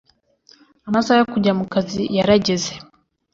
amasaha yo kujya mukazi yarageze